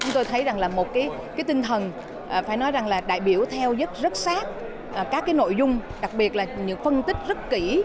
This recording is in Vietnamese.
tôi thấy là một tinh thần đại biểu theo rất sát các nội dung đặc biệt là những phân tích rất kỹ